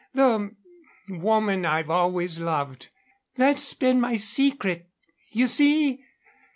The woman I've always loved. That's been my secret. You see?